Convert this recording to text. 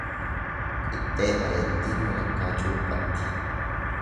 Qixxee bareettiin walakkaa cuuphatti.